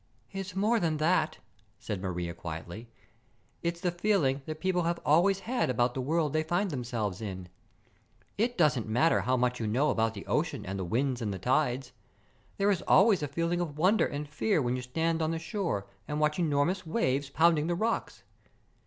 "It's more than that," said Maria quietly. "It's the feeling that people have always had about the world they find themselves in. It doesn't matter how much you know about the ocean and the winds and the tides, there is always a feeling of wonder and fear when you stand on the shore and watch enormous waves pounding the rocks.